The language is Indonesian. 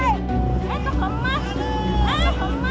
ini adalah lokasi tkp